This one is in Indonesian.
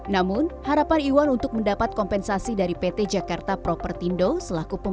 namun harapan iwan untuk mendapat kompensasi dari pt jakarta propertindo selaku